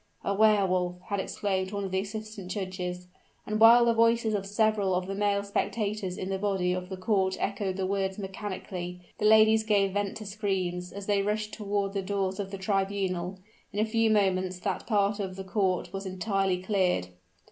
"A Wehr Wolf!" had exclaimed one of the assistant judges: and while the voices of several of the male spectators in the body of the court echoed the words mechanically, the ladies gave vent to screams, as they rushed toward the doors of the tribunal. In a few moments that part of the court was entirely cleared.